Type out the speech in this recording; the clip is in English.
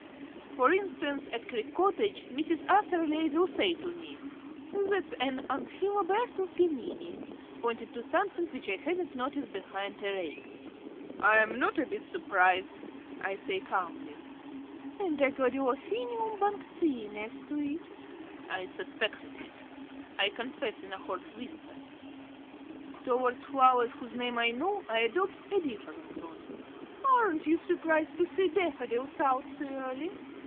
For instance, at Creek Cottage, Mrs. Atherley will say to me, "That's an Amphilobertus Gemini," pointing to something which I hadn't noticed behind a rake. "I am not a bit surprised," I say calmly. "And a Gladiophinium Banksii next to it." "I suspected it," I confess in a hoarse whisper. Towards flowers whose names I know I adopt a different tone. "Aren't you surprised to see daffodils out so early?"